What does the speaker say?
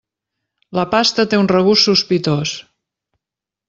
La pasta té un regust sospitós.